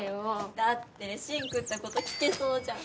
だって芯食ったこと聞けそうじゃん。